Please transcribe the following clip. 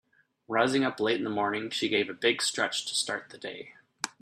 Rising up late in the morning she gave a big stretch to start the day.